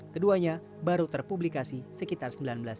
keduanya baru terpublikasi sekitar seribu sembilan ratus sembilan puluh